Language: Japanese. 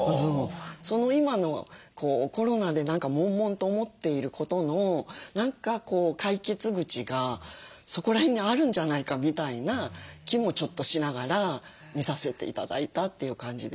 今のコロナで何かもんもんと思っていることの何か解決口がそこら辺にあるんじゃないかみたいな気もちょっとしながら見させて頂いたという感じでした。